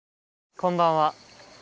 こんばんは。